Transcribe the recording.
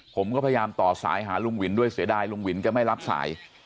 ผมก็พยายามต่อสายหาลุงวินด้วยเสียดายลุงวินก็ไม่รับสาย